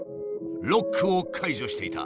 ロックを解除していた。